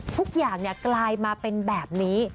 ทุกอย่างกลายมาเป็นแบบนี้